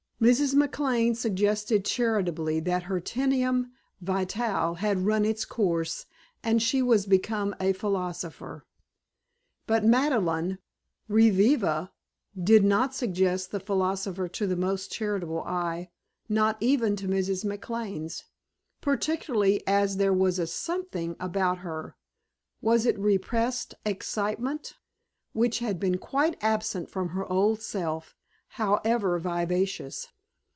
Mrs. McLane suggested charitably that her tedium vitae had run its course and she was become a philosopher. But Madeleine reviva did not suggest the philosopher to the most charitable eye (not even to Mrs. McLane's), particularly as there was a "something" about her was it repressed excitement? which had been quite absent from her old self, however vivacious.